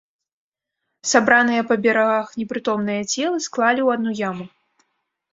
Сабраныя па берагах непрытомныя целы склалі ў адну яму.